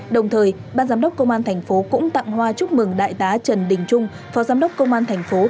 đồng thời ban giám đốc công an thành phố cũng tặng hoa chúc mừng đại tá trần đình trung phó giám đốc công an thành phố